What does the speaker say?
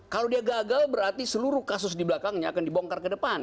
kalau dia gagal berarti seluruh kasus di belakangnya akan dibongkar ke depan